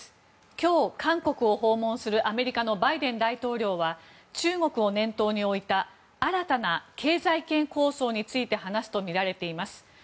今日、韓国を訪問するアメリカのバイデン大統領は中国を念頭に置いた新たな経済圏構想について話すとみられています。